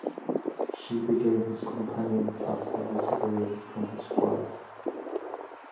She became his companion after he separated from his wife.